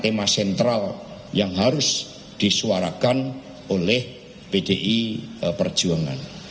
tema sentral yang harus disuarakan oleh pdi perjuangan